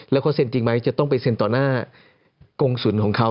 แล้วเขาเซ็นจริงไหมจะต้องไปเซ็นต่อหน้ากงศูนย์ของเขา